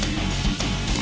terima kasih chandra